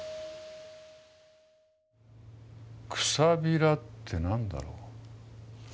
「くさびら」って何だろう。